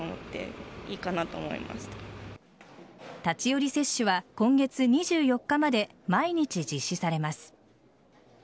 立ち寄り接種は今月２４日まで毎日実施されます。